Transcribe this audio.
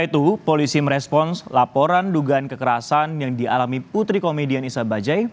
selain itu polisi merespons laporan dugaan kekerasan yang dialami putri komedian isa bajai